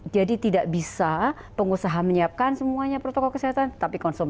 jadi tidak bisa pengusaha menyiapkan semuanya protokol kesehatan